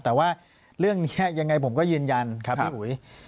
แต่ว่าเรื่องนี้ยังไงผมก็ยืนยันครับพี่อุ๋ย